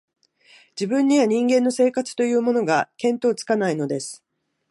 自分には、人間の生活というものが、見当つかないのです